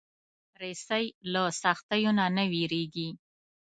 رسۍ له سختیو نه نه وېرېږي.